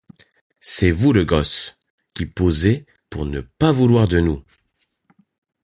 C'est vous le gosse, qui posez pour ne pas vouloir de nous.